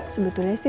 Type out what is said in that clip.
sebetulnya si abah